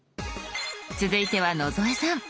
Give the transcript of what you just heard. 続いては野添さん。